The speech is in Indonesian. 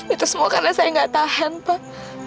itu semua karena saya gak tahan pak